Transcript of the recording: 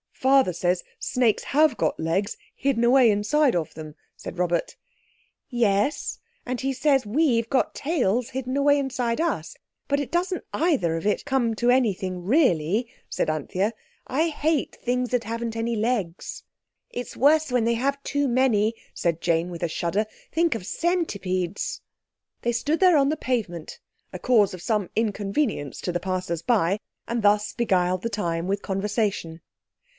"Father says snakes have got legs hidden away inside of them," said Robert. "Yes—and he says we've got tails hidden away inside us—but it doesn't either of it come to anything really," said Anthea. "I hate things that haven't any legs." "It's worse when they have too many," said Jane with a shudder, "think of centipedes!" They stood there on the pavement, a cause of some inconvenience to the passersby, and thus beguiled the time with conversation.